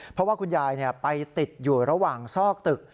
เพราะว่าคุณยายไปติดอยู่ระหว่างซอกตึก